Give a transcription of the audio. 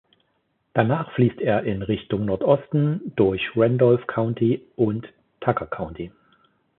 Danach fließt er in Richtung Nordosten durch Randolph County und Tucker County.